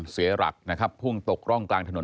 เสียหลักพ่วงตกร่องกลางถนน